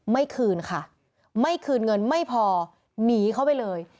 ไม่คืนค่ะไม่คืนเงินไม่พอหนีเข้าไปเลย